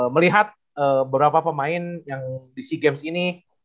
melihat beberapa pemain yang di sea games ini